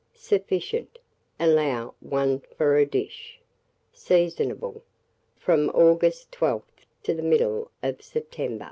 Sufficient. Allow 1 for a dish. Seasonable from August 12th to the middle of September.